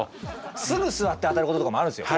すぐ座って当たることとかもあるんですよ。